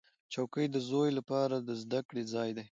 چوکۍ د زوی لپاره د زده کړې ځای دی.